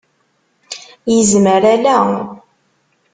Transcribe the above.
Yezmer ala.